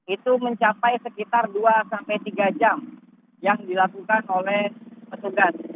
itu mencapai sekitar dua sampai tiga jam yang dilakukan oleh petugas